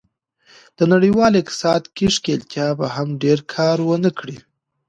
د نړیوال اقتصاد کې ښکېلتیا به هم ډېر کار و نه کړي.